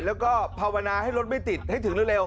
แล้วก็ภาวนาให้รถไม่ติดให้ถึงเร็ว